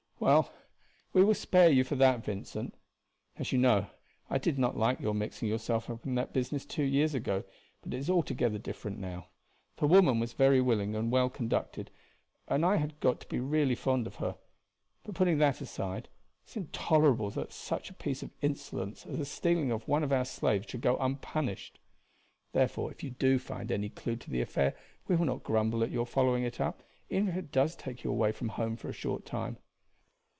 "Well, we will spare you for that, Vincent. As you know, I did not like your mixing yourself up in that business two years ago, but it is altogether different now. The woman was very willing and well conducted, and I had got to be really fond of her. But putting that aside, it is intolerable that such a piece of insolence as the stealing of one of our slaves should go unpunished. Therefore if you do find any clew to the affair we will not grumble at your following it up, even if it does take you away from home for a short time.